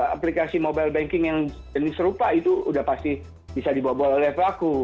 aplikasi mobile banking yang jenis serupa itu sudah pasti bisa dibobol oleh pelaku